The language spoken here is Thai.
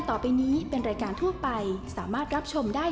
สนับสนุนโดยธนาคารกรุงเทพฯ